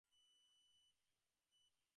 বিছানায় যাবার পরিবর্তে খাতা হাতে বসার ঘরে ঢুকলেন।